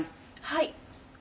はい。